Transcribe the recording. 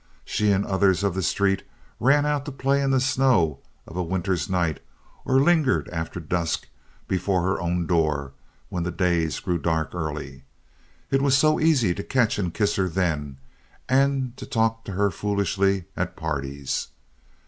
She and others of the street ran out to play in the snow of a winter's night, or lingered after dusk before her own door when the days grew dark early. It was so easy to catch and kiss her then, and to talk to her foolishly at parties.